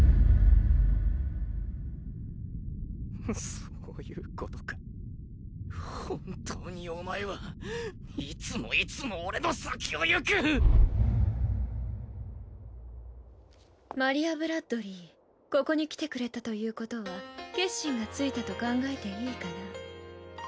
そういうことか本当にお前はいつもいつも俺の先を行くマリア＝ブラッドリィここに来てくれたということは決心がついたと考えていいかな？